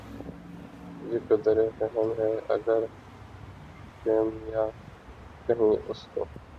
بہ قدرِ فہم ہے اگر کیمیا کہیں اُس کو